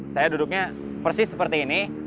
saya duduknya persis seperti ini